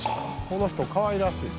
この人かわいらしい。